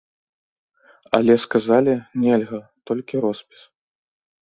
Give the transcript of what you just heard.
Але сказалі, нельга, толькі роспіс.